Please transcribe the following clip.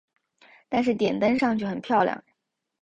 但是点灯上去很漂亮